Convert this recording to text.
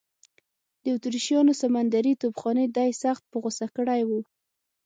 د اتریشیانو سمندري توپخانې دی سخت په غوسه کړی و.